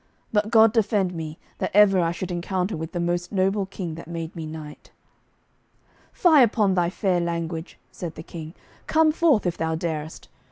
But God defend me, that ever I should encounter with the most noble King that made me knight." "Fie upon thy fair language," said the King; "come forth, if thou darest.